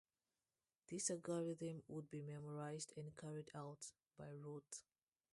This algorithm would be memorized and carried out by rote.